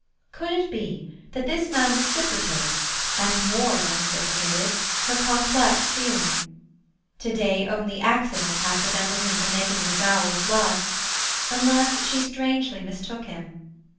Could it be that this man reciprocated, and more than reciprocated, her complex feeling? To day only accident had prevented him from making an avowal of love—unless she strangely mistook him.